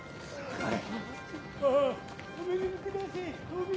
はい！